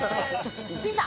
ピザ。